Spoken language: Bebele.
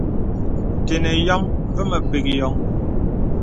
Tənə yɔ̄m və̄ mə̀ pək yɔŋ.